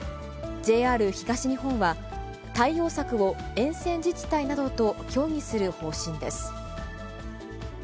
ＪＲ東日本は、対応策を沿線自治体などと協議する方針です。